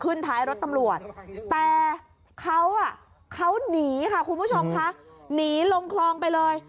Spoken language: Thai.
ขึ้นท้ายรถตำรวจแต่เขานี่ค่ะคุณผู้ชมถ้านี่ลงครองไปเลย